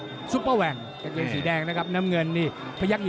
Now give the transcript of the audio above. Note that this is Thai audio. พี่สุปเปอร์แหวงจะเป็นสีแดงน้ำเงินนี่